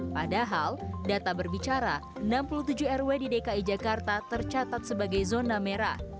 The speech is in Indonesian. padahal data berbicara enam puluh tujuh rw di dki jakarta tercatat sebagai zona merah